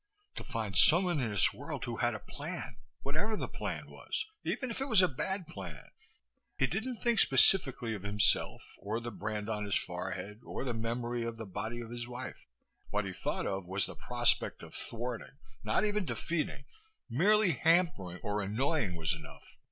To find someone in this world who had a plan! Whatever the plan was. Even if it was a bad plan. He didn't think specifically of himself, or the brand on his forehead or the memory of the body of his wife. What he thought of was the prospect of thwarting not even defeating, merely hampering or annoying was enough!